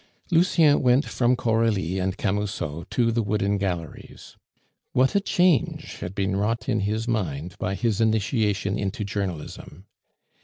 Lucien went from Coralie and Camusot to the Wooden Galleries. What a change had been wrought in his mind by his initiation into Journalism!